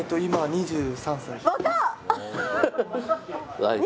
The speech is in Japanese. ２３歳。